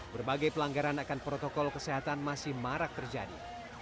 berbagai pelanggaran akan protokol kesehatan masih marak terjadi